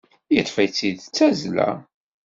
Yeṭṭef-itt d tazzla.